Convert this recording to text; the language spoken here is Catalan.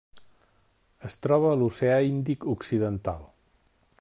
Es troba a l'Oceà Índic occidental: